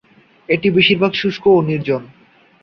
এটি বেশিরভাগ শুষ্ক ও নির্জন।